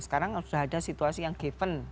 sekarang sudah ada situasi yang given